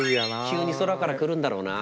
急に空から来るんだろうな。